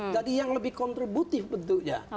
jadi yang lebih kontributif bentuknya